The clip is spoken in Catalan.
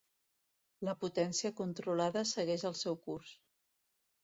La potència controlada segueix el seu curs.